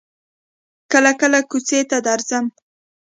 کله کله کوڅې ته درځم.